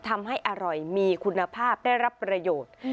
ทำให้อร่อยมีคุณภาพได้รับประโยชน์